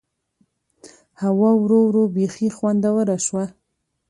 هوا ورو ورو بيخي خوندوره شوه.